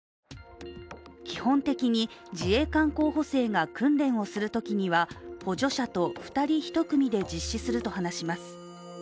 基本的に自衛官候補生が訓練をするときには補助者と２人１組で実施すると話します。